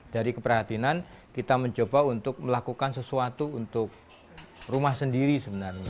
dari keprihatinan kita mencoba untuk melakukan sesuatu untuk rumah sendiri sebenarnya